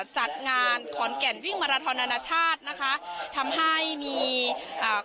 จัดงานขอนแก่นวิ่งมาราทอนานาชาตินะคะทำให้มีอ่า